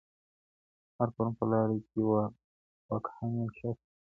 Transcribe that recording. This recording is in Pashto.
هغه پرون په لاره کي وکهمېشه سو.